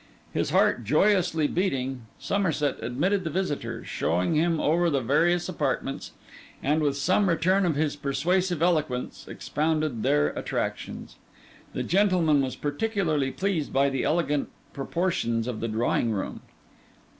His heart joyously beating, Somerset admitted the visitor, showed him over the various apartments, and, with some return of his persuasive eloquence, expounded their attractions. The gentleman was particularly pleased by the elegant proportions of the drawing room.